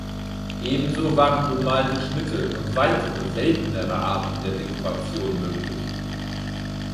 Ebenso waren bemalte Schnitte und weitere seltenere Arten der Dekoration möglich.